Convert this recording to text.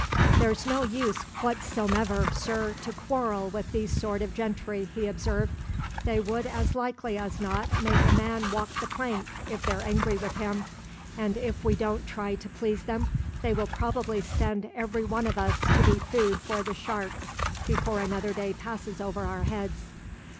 "There's no use whatsomever, sir, to quarrel with these sort of gentry," he observed. "They would as likely as not make a man walk the plank if they're angry with him, and if we don't try to please them they will probably send every one of us to be food for the sharks before another day passes over our heads."